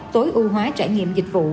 tối ưu hóa trải nghiệm dịch vụ